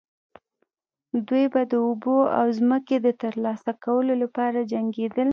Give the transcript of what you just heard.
دوی به د اوبو او ځمکې د ترلاسه کولو لپاره جنګیدل.